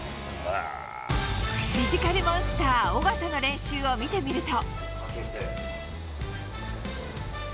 フィジカルモンスター、緒方の練習を見てみると。